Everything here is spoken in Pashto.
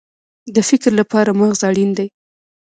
د فکر لپاره مغز اړین دی